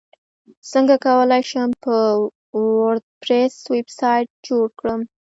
څنګه کولی شم په وردپریس ویبسایټ جوړ کړم